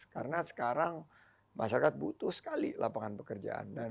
karena sekarang masyarakat butuh sekali lapangan pekerjaan